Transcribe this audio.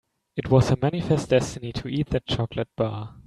It was her manifest destiny to eat that chocolate bar.